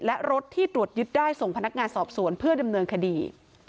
และรถที่ตรวจยึดได้ส่งพนักงานสอบสวนเพื่อดำเนินคดี